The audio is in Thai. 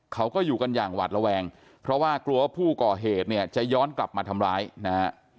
เขาก็อยู่กันอย่างหวัดระแวงเพราะว่ากลัวว่าผู้ก่อเหตุเนี่ยจะย้อนกลับมาทำร้ายนะฮะ